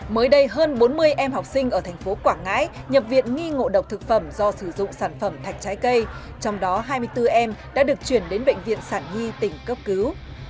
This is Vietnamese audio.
mới đây hơn bốn mươi em học sinh ở thành phố quảng ngãi nhập viện nghi ngộ độc thực phẩm do sử dụng sản phẩm thạch trái cây trong đó hai mươi bốn em đã được chuyển đến bệnh viện sản nhi tỉnh cấp cứu